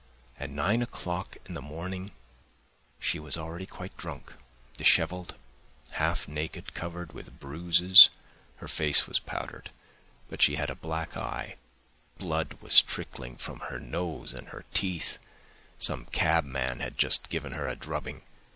At nine o'clock in the morning she was already quite drunk, dishevelled, half naked, covered with bruises, her face was powdered, but she had a black eye, blood was trickling from her nose and her teeth; some cabman had just given her a drubbing.